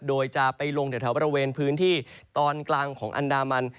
โดยจะไปลงแถวบริเวณพื้นที่ตอนกลางของอันดามัน